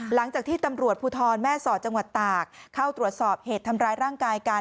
หลังจากที่ตำรวจภูทรแม่สอดจังหวัดตากเข้าตรวจสอบเหตุทำร้ายร่างกายกัน